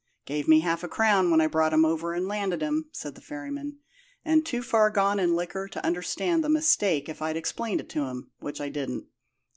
Gave me half a crown when I brought him over and landed him,' said the ferryman, 'and too far gone in liquor to understand the mistake if I'd explained it to him, which I didn't.'